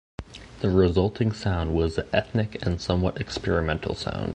The resulting sound was a ethnic and somewhat experimental sound.